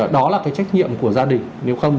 đó là cái trách nhiệm của gia đình nếu không